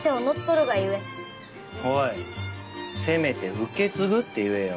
おいせめて受け継ぐって言えよ。